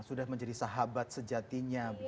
sudah menjadi sahabat sejatinya